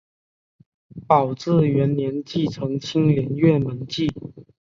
宝治元年继承青莲院门迹。